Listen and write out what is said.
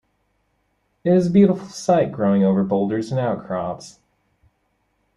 It is a beautiful sight growing over boulders and outcrops.